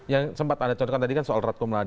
yang sempat anda contohkan tadi kan soal radkum lah